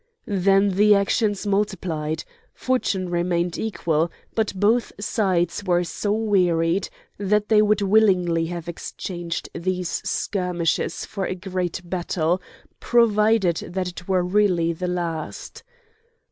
Then the actions multiplied. Fortune remained equal; but both sides were so wearied that they would willingly have exchanged these skirmishes for a great battle, provided that it were really the last.